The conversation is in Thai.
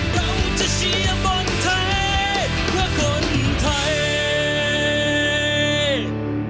สวัสดีครับสวัสดีครับ